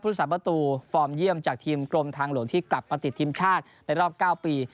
คุณสาปตูฟอร์มเยี่ยมจากทีมกรมทางโหลดที่กลับประติศาสตร์ในรอบ๙ปี